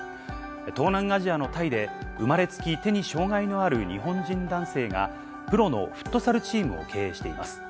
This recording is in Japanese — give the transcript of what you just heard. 東南アジアのタイで、生まれつき手に障がいのある日本人男性が、プロのフットサルチームを経営しています。